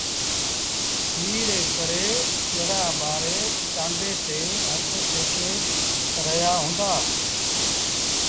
سيٚ ري ڪري ڳڙآ ٻآري ٽآنڊي تي هٿ سيڪي رهيآ هُݩدآ۔